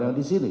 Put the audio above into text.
yang di sini